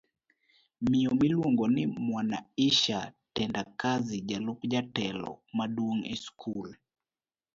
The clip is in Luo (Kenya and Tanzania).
Miyo miluongo ni Mwanaisha Tendakazi jalup jatelo maduong' e skul